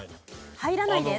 入らないです。